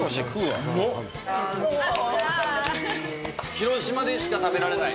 広島でしか食べられない。